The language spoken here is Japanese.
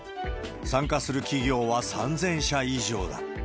参加する企業は３０００社以上だ。